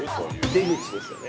◆出口ですよね。